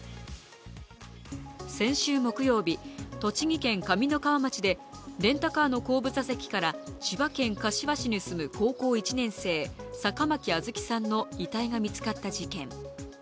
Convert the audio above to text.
先週木曜日、栃木県上三川町でレンタカーの後部座席から千葉県柏市に住む高校１年生、坂巻杏月さんの遺体が見つかった事件。